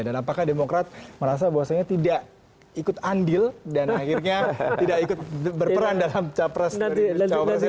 dan apakah demokrat merasa bahwasanya tidak ikut andil dan akhirnya tidak ikut berperan dalam capres dari jawabannya